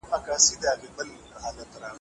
شاه عباس خپلو زامنو ته د خیانت په سترګه کتل.